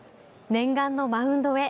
念願のマウンドへ。